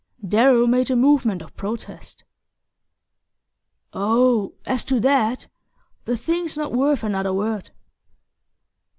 Darrow made a movement of protest. "Oh, as to that the thing's not worth another word."